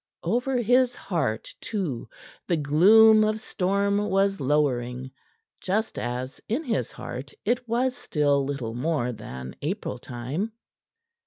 Over his heart, too, the gloom of storm was lowering, just as in his heart it was still little more than April time.